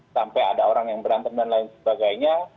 sampai ada orang yang berantem dan lain sebagainya